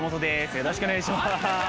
よろしくお願いします。